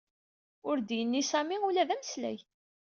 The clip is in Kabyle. Ur d-yenni Sami ula d ameslay.